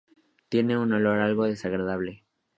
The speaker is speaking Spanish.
Tienen un olor algo desagradable.